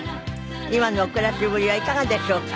今のお暮らしぶりはいかがでしょうか？